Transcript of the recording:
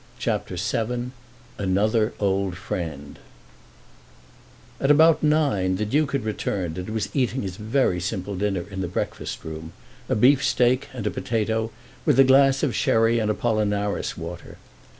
CHAPTER VII Another Old Friend At about nine the Duke had returned, and was eating his very simple dinner in the breakfast room, a beefsteak and a potato, with a glass of sherry and Apollinaris water.